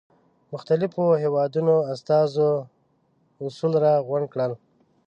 مختلفو هېوادونو استازو اصول را غونډ کړل.